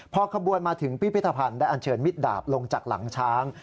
พอขบวนมาถึงพิพิธภัณฑ์ได้อันเชิญมิดดาบลงจากหลังช้าง